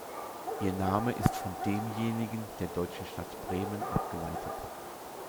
Ihr Name ist von demjenigen der deutschen Stadt Bremen abgeleitet.